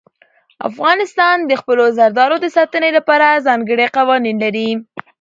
افغانستان د خپلو زردالو د ساتنې لپاره ځانګړي قوانین لري.